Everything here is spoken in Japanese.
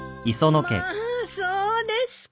まあそうですか。